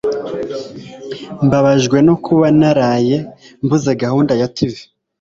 Mbabajwe no kuba naraye mbuze gahunda ya TV.